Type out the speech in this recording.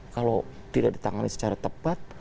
kalau tidak ditangani secara tepat